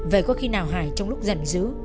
vậy có khi nào hải trong lúc giận dữ